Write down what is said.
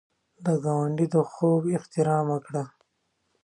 د ګاونډي د خوب احترام وکړه